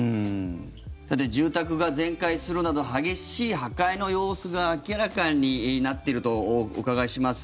さて、住宅が全壊するなど激しい破壊の様子が明らかになっているとお伺いします。